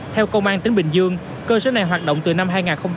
theo công an tỉnh bình dương cơ sở này hoạt động từ năm hai nghìn một mươi ba